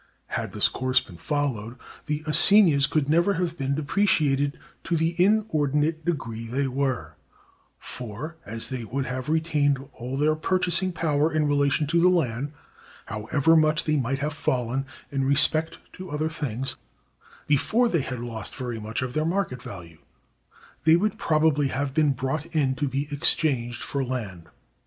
Had this course been followed, the assignats could never have been depreciated to the inordinate degree they were; for—as they would have retained all their purchasing power in relation to land, however much they might have fallen in respect to other things—before they had lost very much of their market value, they would probably have been brought in to be exchanged for land.